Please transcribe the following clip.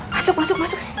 masuk masuk masuk